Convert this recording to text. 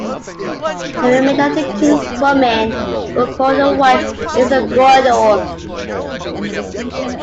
The remainder of the king's women were called the white "isigodlo".